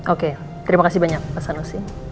oke terima kasih banyak pak sanusi